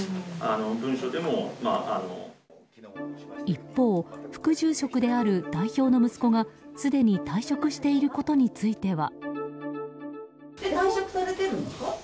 一方、副住職である代表の息子がすでに退職していることについては。